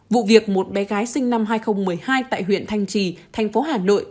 vụ việc một bé gái sinh năm hai nghìn một mươi hai tại huyện thanh trì thành phố hà nội